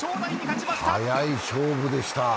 速い勝負でした。